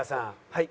はい。